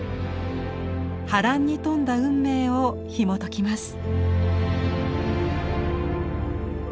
波乱に富んだ運命をひもときます。